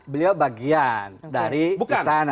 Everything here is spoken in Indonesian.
beliau bagian dari istana